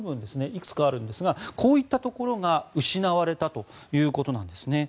いくつかあるんですがこういったところが失われたということなんですね。